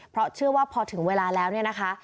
เพราะเชื่อว่าพอถึงเวลาแล้วเนี่ยนะคะ